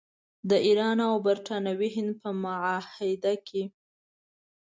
د ایران او برټانوي هند په معاهده کې.